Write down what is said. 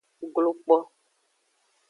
Glo kpo.